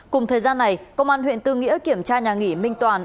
cùng thời gian này công an huyện tư nghĩa kiểm tra nhà nghỉ minh toàn